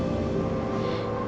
di hati aku